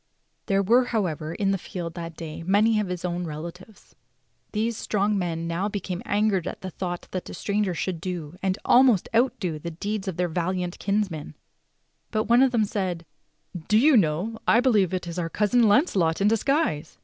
There were, however, in the field that day many of his own relatives. These strong men now became angered at the thought that a stranger should do, and almost outdo, the deeds of their val iant kinsman; but one of them said: "Do you know, I believe it is our cousin Launcelot in disguise."